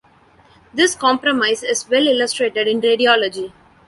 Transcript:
This compromise is well illustrated in radiology.